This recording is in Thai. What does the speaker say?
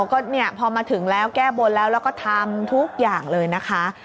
ก็เนี่ยพอมาถึงแล้วแก้บนแล้วแล้วก็ทำทุกอย่างเลยนะคะ